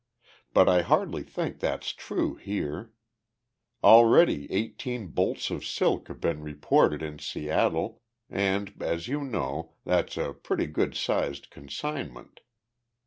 But I hardly think that's true here. Already eighteen bolts of silk have been reported in Seattle, and, as you know, that's a pretty good sized consignment.